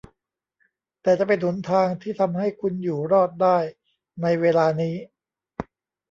แต่จะเป็นหนทางที่ทำให้คุณอยู่รอดได้ในเวลานี้